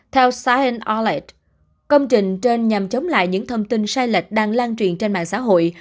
theo sahel công trình trên nhằm chống lại những thông tin sai lệch đang lan truyền trên mạng xã hội